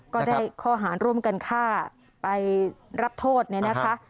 ก็ได้ข้อหารร่วมกันฆ่าไปรับโทษเนี่ยนะคะ